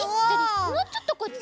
もうちょっとこっち。